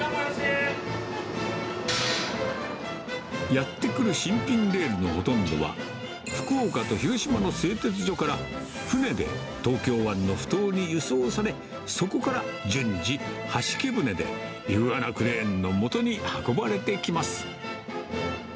やって来る新品レールのほとんどは、福岡と広島の製鉄所から船で東京湾のふ頭に輸送され、そこから順次、はしけ船でイグアナクレーンの元に運ばれてきます。